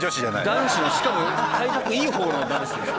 男子のしかも体格いい方の男子です。